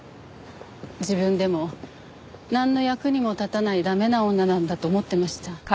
自分でもなんの役にも立たない駄目な女なんだと思ってました。